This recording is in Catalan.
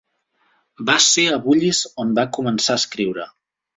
Va ser a Bullis on va començar a escriure.